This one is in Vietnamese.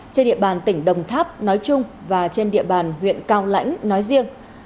trên địa bàn tỉnh đồng tháp nói chung và trên địa bàn huyện cao lãnh nói riêng